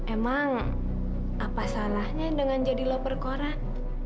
emang apa salahnya dengan jadi loper koran